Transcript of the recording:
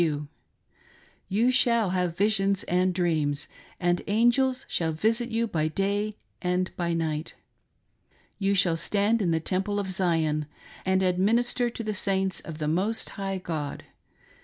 You shall have visions and dreams, and angels shall visit you by day and by night; You shall stand in the temple in Zion, and administer to the Saints of the Most High God.